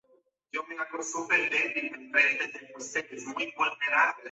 Su nombre cita al nombre del niño de la película "The Ring".